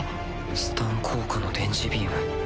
スタン効果の電磁ビーム。